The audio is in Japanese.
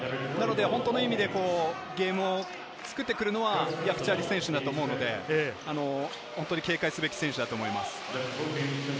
本当の意味でゲームを作ってくるのはヤクチャリ選手だと思うので、本当に警戒すべき選手だと思います。